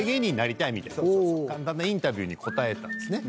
簡単なインタビューに答えたんですね。